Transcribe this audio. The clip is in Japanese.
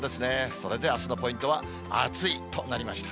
それであすのポイントは暑いとなりました。